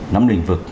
nắm lĩnh vực